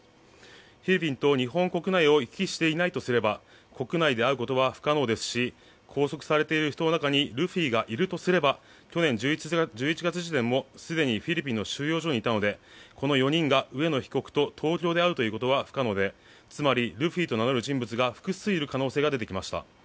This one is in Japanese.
フィリピンと日本国内を行き来していないとすれば国内で会うことは不可能ですし拘束されている人の中にルフィがいるとすれば去年１１月時でも、すでにフィリピンの収容所にいたのでこの４人が上野被告と東京で会うことは不可能でつまりルフィと名乗る人物が複数いる可能性が出てきました。